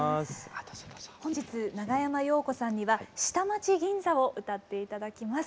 本日長山洋子さんには「下町銀座」を歌って頂きます。